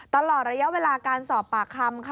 ตลอดระยะเวลาการสอบปากคำค่ะ